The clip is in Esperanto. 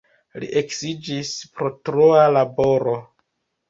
Li eksiĝis pro troa laboro.